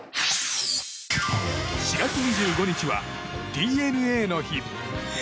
４月２５日はＤＮＡの日。